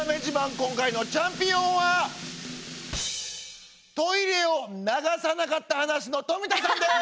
今回のチャンピオンはトイレを流さなかった話の富田さんです！